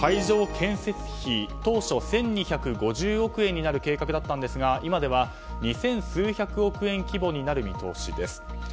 建設費は当初１２５０億円になる計画でしたが今では二千数百億円規模になる見通しです。